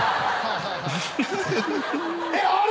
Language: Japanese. えっ？あれ！？